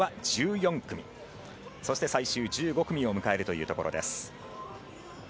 そして最終１５組を迎えるというところです。